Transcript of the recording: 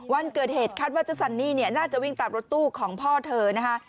วันเกิดเหตุคาดว่าเจ้าซันนี่เนี่ยน่าจะวิ่งตามรถตู้ของพ่อเธอนะคะ